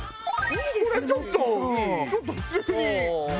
これちょっとちょっと普通に。